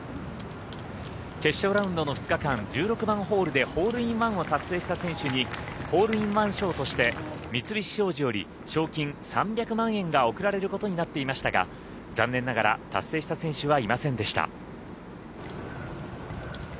決勝ラウンドの２日間１６番ホールでホールインワンを達成した選手にホールインワン賞として三菱商事より賞金３００万円が贈られることになっていましたが残念ながら達成した選手はいませんでした。